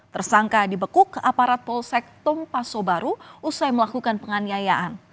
tersangka dibekuk aparat polsek tompaso baru usai melakukan penganiayaan